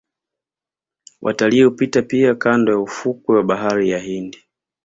Watalii hupita pia kando ya ufukwe wa bahari ya Hindi